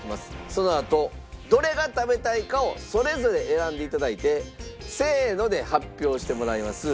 そのあとどれが食べたいかをそれぞれ選んで頂いてせーので発表してもらいます。